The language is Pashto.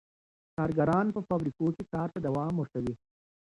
کارګران په فابریکو کي کار ته دوام ورکوي.